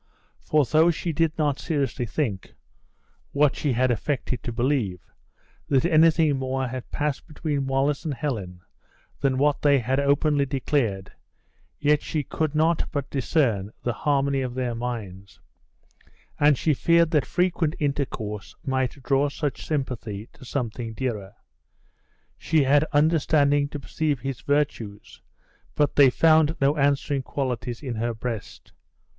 For though she did not seriously think (what she had affected to believe) that anything more had passed between Wallace and Helen than what they had openly declared, yet she could not but discern the harmony of their minds, and she feared that frequent intercourse might draw such sympathy to something dearer. She had understanding to perceive his virtues, but they found no answering qualities in her breast.